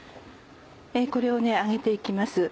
これを揚げて行きます。